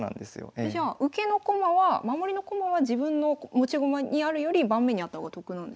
えじゃあ受けの駒は守りの駒は自分の持ち駒にあるより盤面にあった方が得なんですね。